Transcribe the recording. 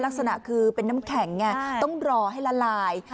ลักษณะคือเป็นน้ำแข็งต้องรอให้ละลาย